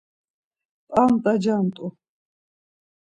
P̌anda cant̆u.